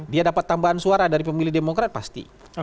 dia dapat tambahan suara dari pemilih demokrat pasti